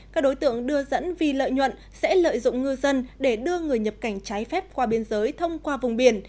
các đối tượng đưa dẫn vì lợi nhuận sẽ lợi dụng ngư dân để đưa người nhập cảnh trái phép qua biên giới thông qua vùng biển